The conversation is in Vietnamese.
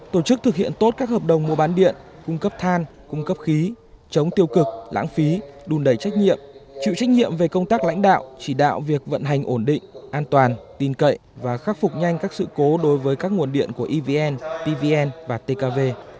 tổ chức thực hiện tốt các hợp đồng mua bán điện cung cấp than cung cấp khí chống tiêu cực lãng phí đùn đầy trách nhiệm chịu trách nhiệm về công tác lãnh đạo chỉ đạo việc vận hành ổn định an toàn tin cậy và khắc phục nhanh các sự cố đối với các nguồn điện của evn pvn và tkv